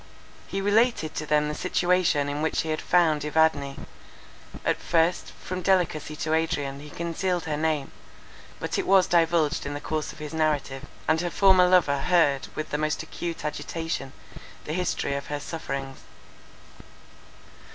He related to them the situation in which he had found Evadne. At first, from delicacy to Adrian he concealed her name; but it was divulged in the course of his narrative, and her former lover heard with the most acute agitation the history of her sufferings.